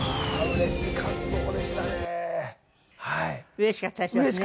うれしかったでしょうね。